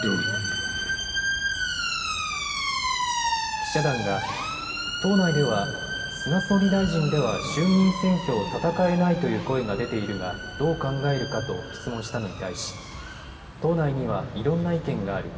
記者団が党内では菅総理大臣では衆議院選挙を戦えないという声が出ているがどう考えるかと質問したのに対し党内にはいろんな意見がある。